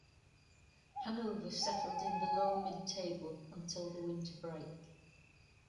Hannover settled in the lower-mid-table until the winter break.